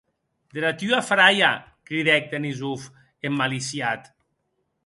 Dera tua fraia!, cridèc Denisov emmaliciat.